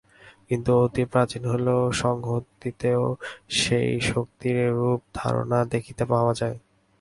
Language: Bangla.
কিন্তু অতি প্রাচীন হইলেও সংহতিতেও সেই শক্তির এরূপ ধারণা দেখিতে পাওয়া যায়।